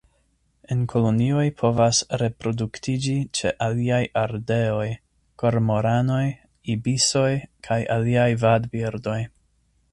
En kolonioj povas reproduktiĝi ĉe aliaj ardeoj, kormoranoj, ibisoj kaj aliaj vadbirdoj.